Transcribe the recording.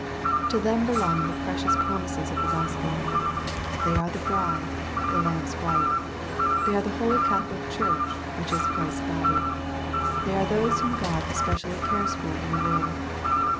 To them belong the precious promises of the Gospel. They are the bride, the Lamb's wife. They are tho Holy Catholic Church, which is Christ's body. They are those whom God especially cares for in the world.